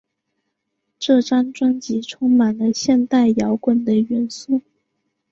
这张专辑充满了现代摇滚的元素。